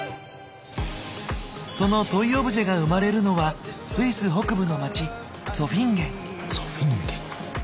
そのトイオブジェが生まれるのはスイス北部の街ツォフィンゲン。